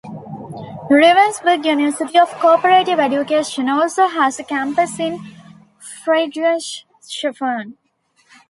Ravensburg University of Cooperative Education also has a campus in Friedrichshafen.